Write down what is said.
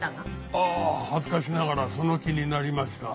ああ恥ずかしながらその気になりました。